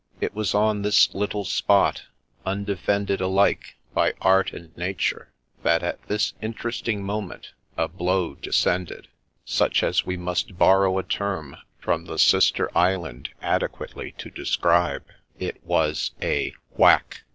It was on this little spot, undefended alike by Art and Nature, that at this interesting moment a blow descended, such as we must borrow a term from the Sister Island adequately to describe, — it was a ' Whack